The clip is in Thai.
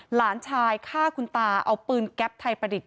หลานชายฆ่าคุณตาเอาปืนแก๊ปไทยประดิษฐ